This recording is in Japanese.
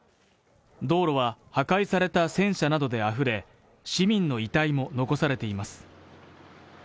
道路は破壊された戦車などであふれ、市民の遺体も残されています。